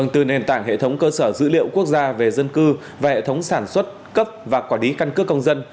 từ nền tảng hệ thống cơ sở dữ liệu quốc gia về dân cư về hệ thống sản xuất cấp và quản lý căn cước công dân